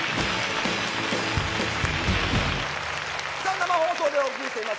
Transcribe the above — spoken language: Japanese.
生放送でお送りしてます。